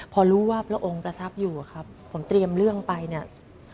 พอรู้ว่าพระองค์ประทับอยู่อะครับผมเตรียมเรื่องไปเนี่ย